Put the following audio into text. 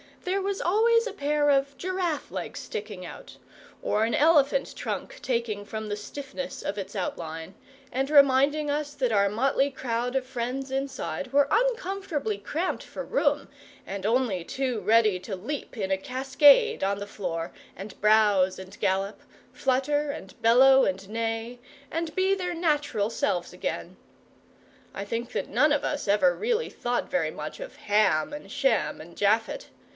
There was always a pair of giraffe legs sticking out, or an elephant trunk, taking from the stiffness of its outline, and reminding us that our motley crowd of friends inside were uncomfortably cramped for room and only too ready to leap in a cascade on the floor and browse and gallop, flutter and bellow and neigh, and be their natural selves again. I think that none of us ever really thought very much of Ham and Shem and Japhet.